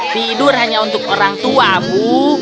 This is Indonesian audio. tidur hanya untuk orang tua bu